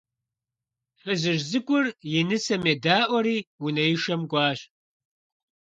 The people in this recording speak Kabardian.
Фызыжь цӀыкӀур и нысэм едаӀуэри унэишэм кӀуащ.